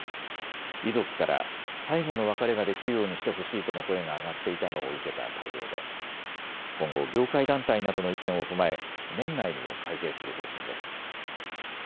遺族から最後の別れができるようにしてほしいとの声が上がっていたのを受けた対応で今後、業界団体などの意見を踏まえ年内にも改定する方針です。